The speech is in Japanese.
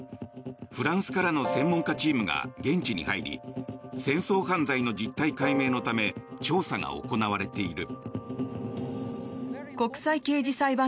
フランスからの専門家チームが現地に入り戦争犯罪の実態解明のため調査が行われている。